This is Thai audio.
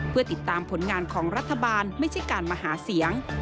เพื่อติดตามผลงานของรัฐบาลไม่ใช่การมาหาเสียง